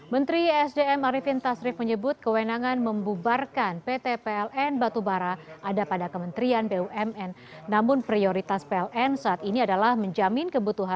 menteri sdm arifin tasrif menyebut kewenangan membubarkan pt pln batubara ada pada kementerian bumn